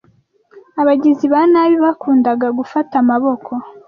Abagizi ba nabi bakundaga gufata amaboko